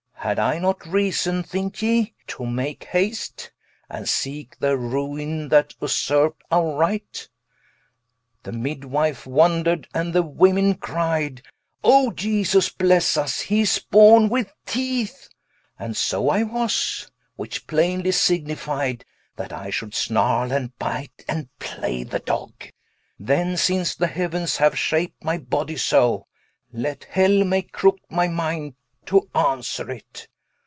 Had I not reason (thinke ye) to make hast, And seeke their Ruine, that vsurp'd our Right? The Midwife wonder'd, and the Women cri'de O Iesus blesse vs, he is borne with teeth, And so I was, which plainly signified, That I should snarle, and bite, and play the dogge: Then since the Heauens haue shap'd my Body so, Let Hell make crook'd my Minde to answer it.